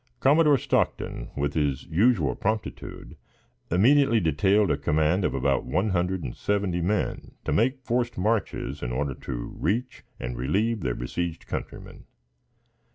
Commodore Stockton, with his usual promptitude, immediately detailed a command of about one hundred and seventy men to make forced marches in order to reach and relieve their besieged countrymen.